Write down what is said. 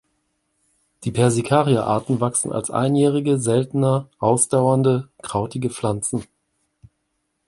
Die "Persicaria"-Arten wachsen als einjährige, seltener ausdauernde krautige Pflanzen.